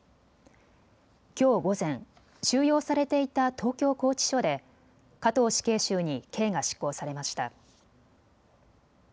きょう午前、収容されていた東京拘置所で加藤死刑囚に刑が執行されました。